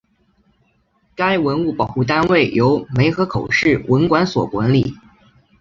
该文物保护单位由梅河口市文管所管理。